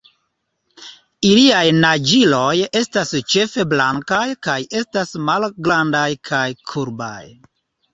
Iliaj naĝiloj estas ĉefe blankaj kaj estas malgrandaj kaj kurbaj.